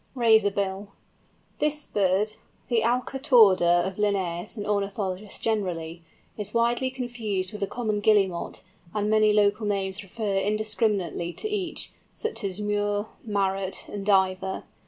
RAZORBILL. This bird, the Alca torda of Linnæus and ornithologists generally, is widely confused with the Common Guillemot, and many local names refer indiscriminately to each—such as Murre, Marrot, and Diver.